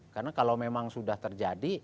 karena kalau memang sudah terjadi